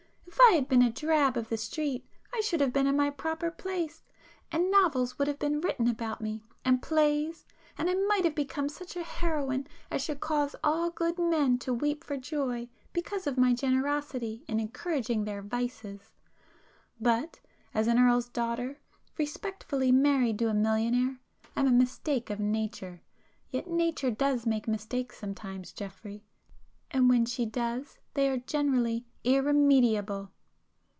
If I had been a drab of the street, I should have been in my proper place,—and novels would have been written about me, and plays,—and I might have become such a heroine as should cause all good men to weep for joy because of my generosity in encouraging their vices! But as an Earl's daughter, respectably married to a millionaire, am a mistake of nature. Yet nature does make mistakes sometimes Geoffrey, and when she does they are generally irremediable!"